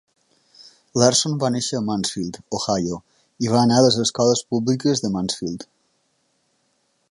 Larson va néixer a Mansfield, Ohio, i va anar a les escoles públiques de Mansfield.